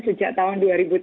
sejak tahun dua ribu tiga